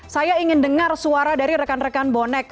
saya ingin dengar suara dari rekan rekan bonek